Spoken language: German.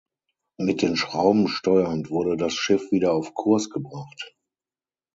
Mit den Schrauben steuernd wurde das Schiff wieder auf Kurs gebracht.